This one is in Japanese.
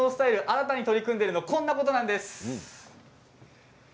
新たに取り組んでいるのはこんなことなんです。